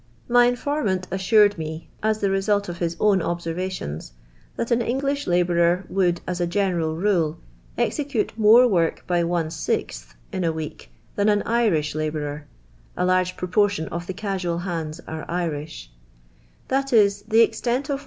My informant assured me, as the result of his own obsifrvatioiis, that an English labourer would, as a gi'neml rule, execute more work by one sixth, in a week, than an Irish labourer (a largo propor tion of the casual hands are Irish) ; that is, the extent of w.